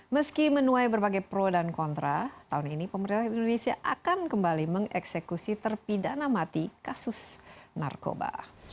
meski menuai berbagai pro dan kontra tahun ini pemerintah indonesia akan kembali mengeksekusi terpidana mati kasus narkoba